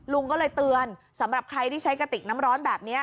ลุงก็เลยเตือนสำหรับใครที่ใช้กระติกน้ำร้อนแบบนี้